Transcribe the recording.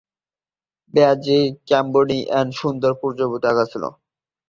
ব্যাজে ক্যাম্বারওয়েলের সুন্দর প্রজাপতি আঁকা ছিল।